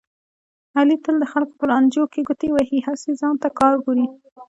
علي تل د خلکو په لانجو کې ګوتې وهي، هسې ځان ته کار ګوري.